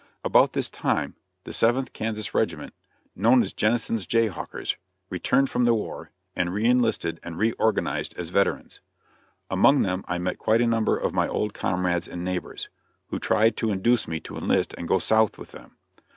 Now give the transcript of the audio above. About this time the Seventh Kansas regiment, known as "Jennison's Jay hawkers," returned from the war, and re enlisted and re organized as veterans. Among them I met quite a number of my old comrades and neighbors, who tried to induce me to enlist and go south with them.